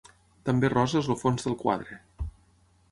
També rosa és el fons del quadre.